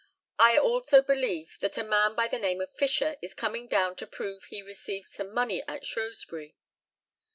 I also believe that a man by the name of Fisher is coming down to prove he received some money at Shrewsbury.